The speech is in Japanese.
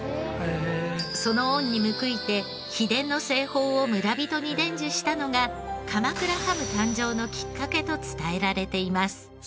その恩に報いて秘伝の製法を村人に伝授したのが鎌倉ハム誕生のきっかけと伝えられています。